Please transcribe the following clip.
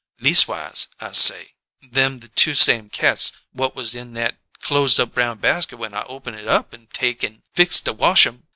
'Leas'wise,' I say, 'them the two same cats whut was in nat closed up brown basket when I open it up an' take an' fix to wash 'em.